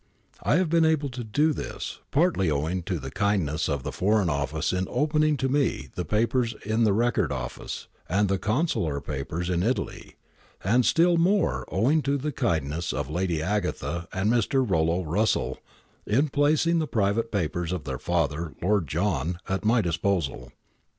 I have been able to do this, partly owing to the kindness of the Foreign Office in opening to me the papers in the Record Office, and the Consular papers in Italy, and still more owing to the kindness of Lady Agatha and Mr. Rollo Russell in placing the private papers of their father Lord John at my disposal.